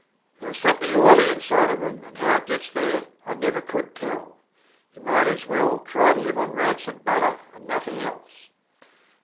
There is something oily inside of them, and how it gets there I never could tell. You might as well try to live on rancid butter and nothing else.